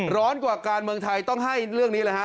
ร้อนกว่าการเมืองไทยต้องให้เรื่องนี้เลยฮะ